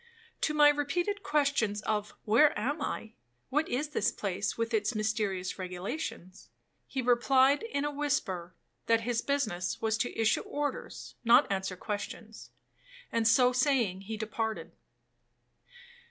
To my repeated questions of 'Where am I? what is this place, with its mysterious regulations?' he replied in a whisper, that his business was to issue orders, not to answer questions; and so saying he departed.